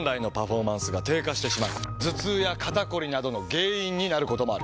頭痛や肩こりなどの原因になることもある。